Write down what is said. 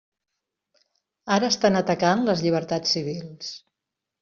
Ara estan atacant les llibertats civils.